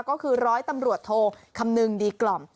ก็คือร้อยตำรวจโทคำนึงดีกล่อม